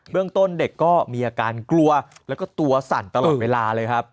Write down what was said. เรื่องต้นเด็กก็มีอาการกลัวแล้วก็ตัวสั่นตลอดเวลาเลยครับ